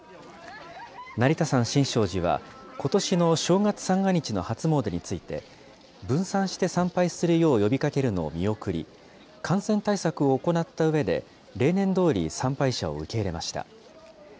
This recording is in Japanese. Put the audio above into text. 成田山新勝寺は、ことしの正月三が日の初詣について、分散して参拝するよう呼びかけるのを見送り、感染対策を行ったうえで、例年どおり参拝者を受け入れました。